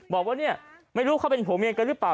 บอกว่าไม่รู้เขาเป็นผู้หญิงหรือเปล่า